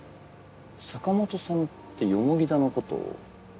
坂本さんって田のこと。